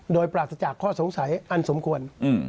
โดยปราศจากข้อสงสัยอันสมควร